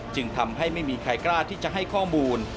จึงทำให้ไม่มีใครกล้าที่จะให้ข้อมูล